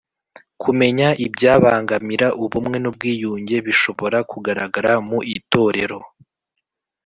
Kumenya ibyabangamira ubumwe n ubwiyunge bishobora kugaragara mu Itorero